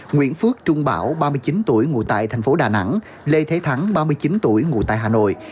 nguyễn phước trung bảo ba mươi chín tuổi ngụ tại thành phố đà nẵng lê thế thắng ba mươi chín tuổi ngụ tại hà nội